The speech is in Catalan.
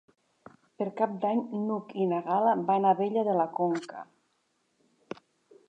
Per Cap d'Any n'Hug i na Gal·la van a Abella de la Conca.